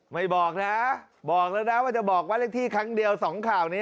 ไม่บอกนะบอกแล้วนะว่าจะบอกว่าเลขที่ครั้งเดียว๒ข่าวนี้